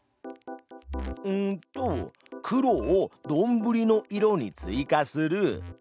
うんと「黒をどんぶりの色に追加する」。